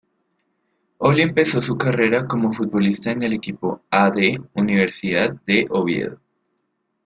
Oli empezó su carrera como futbolista en el equipo A. D. Universidad de Oviedo.